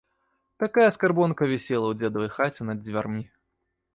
Такая скарбонка вісела ў дзедавай хаце над дзвярмі.